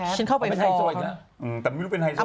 ชื่อแพทช์